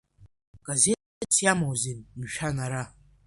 Аказеҭ усс иамоузеи, мшәан ара?